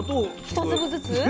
一粒ずつ？